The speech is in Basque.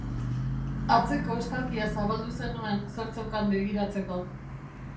Atzeko estalkia zabaldu zenuen zer zeukan begiratzeko.